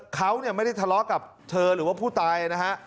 เขาไม่ได้ทะเลาะกับเธอหรือว่าผู้ตายนะฮะ